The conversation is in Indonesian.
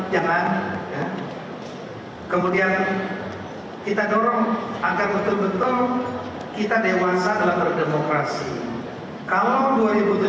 jangan kemudian kita dorong agar betul betul kita dewasa dalam berdemokrasi kalau dua ribu tujuh belas dua ribu delapan belas dua ribu sembilan belas